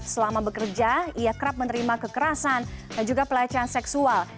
selama bekerja ia kerap menerima kekerasan dan juga pelecehan seksual